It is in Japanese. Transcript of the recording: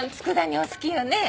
お好きよね。